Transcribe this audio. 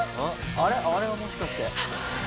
あれはもしかして」